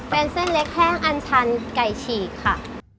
เป็นเส้นเล็กแห้งอันชันไก่ฉีกค่ะ